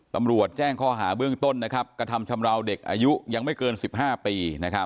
ตำรวจแจ้งข้อหาเบื้องต้นกระทำชำราวเด็กอายุยังไม่เกิน๑๕ปี